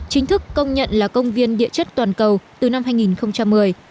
chính thức công nhận là công viên địa chất toàn cầu từ năm hai nghìn một mươi